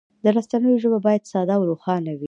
د رسنیو ژبه باید ساده او روښانه وي.